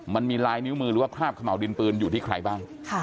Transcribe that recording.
มันมีลายนิ้วมือหรือว่าคราบขม่าวดินปืนอยู่ที่ใครบ้าง